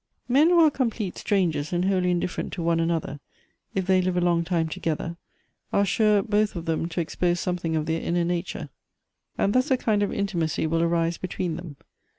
MEN who are complete strangers, and wholly indif ferent to one another, if they live a long time to gether, are sure both of them to expose something of their inner nature, and thus a kind of intimacy will arise between them.